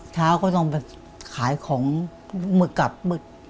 เช้าก็ต้องแบบขายของมึกกับมึก